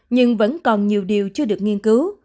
nhưng vẫn còn nhiều điều chưa được nghiên cứu